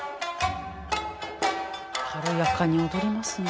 軽やかに踊りますね。